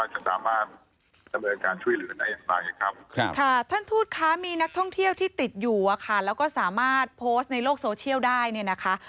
ค่ะท่อนทู่ตคามีนักท่องเที่ยวที่ติดอยู่อ่ะค่ะแล้วก็สามารถโพสในโลกโซเชียลได้เนี่ยนะคะ